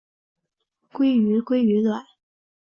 鲑鱼鲑鱼卵